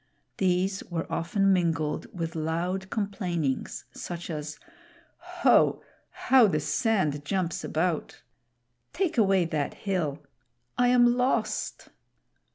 These were often mingled with loud complainings, such as "Ho! how the sand jumps about!" "Take away that hill!" "I am lost!"